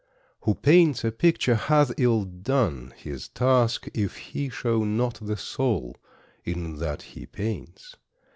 Who paints a picture hath ill done his task, If he show not the soul in that he paints.